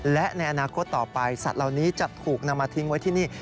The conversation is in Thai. และในอนาคตต่อไปสัตว์เหล่านี้จะถูกนำมาทิ้งไว้ที่นี่